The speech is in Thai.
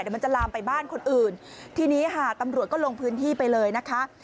เดี๋ยวมันจะลามไปบ้านคนอื่นทีนี้ค่ะตำรวจก็ลงพื้นที่ไปเลยนะคะ